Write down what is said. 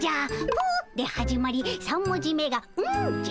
「ぷ」で始まり３文字目が「ん」じゃ。